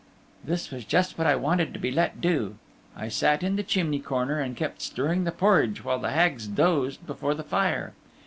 This was just what I wanted to be let do. I sat in the chimney corner and kept stirring the porridge while the Hags dozed before the fire.